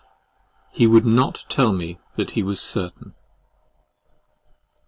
HE WOULD NOT TELL ME THAT HE WAS CERTAIN.